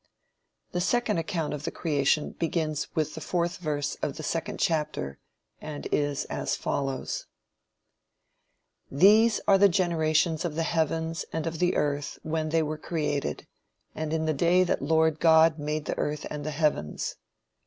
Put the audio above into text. The second account of the creation begins with the fourth verse of the second chapter, and is as follows: "These are the generations of the heavens and of the earth when they were created, in the day that the Lord God made the earth and the heavens.